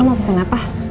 lo mau pesen apa